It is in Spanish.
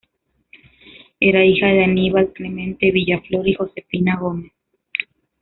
Era hija de Aníbal Clemente Villaflor y Josefina Gómez.